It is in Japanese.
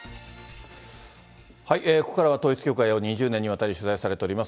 ここからは統一教会を２０年にわたり取材されております